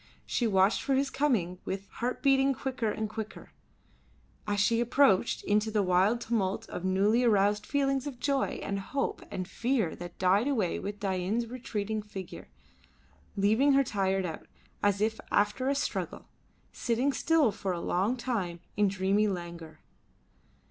She watched for his coming with heart beating quicker and quicker, as he approached, into a wild tumult of newly aroused feelings of joy and hope and fear that died away with Dain's retreating figure, leaving her tired out, as if after a struggle, sitting still for a long time in dreamy languor.